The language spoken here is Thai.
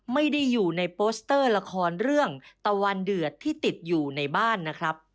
ไม่ได้อยู่ในโปสเตอร์ละครเรื่องตะวันเดือดที่ติดอยู่ในบ้านนะครับ